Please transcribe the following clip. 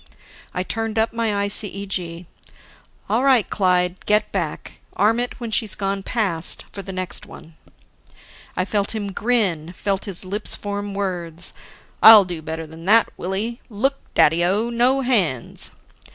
I turned up my ICEG. "All right, Clyde, get back. Arm it when she's gone past, for the next one." I felt him grin, felt his lips form words: "I'll do better than that, Willie. Look, Daddy o, no hands!"